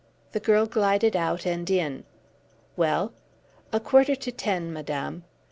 The girl glided out and in. "Well?" "A quarter to ten, madame."